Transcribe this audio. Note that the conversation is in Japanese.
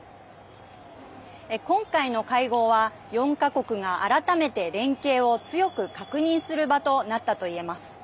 今回の会合は４か国が改めて連携を強く確認する場となったと言えます。